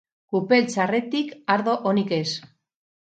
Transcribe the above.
Kupel txarretik, ardo onik ez.